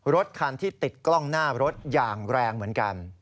รถคันที่ติดกล้องหน้ารถอย่างแรงเหมือนกัน